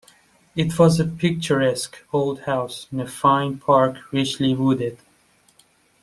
It was a picturesque old house in a fine park richly wooded.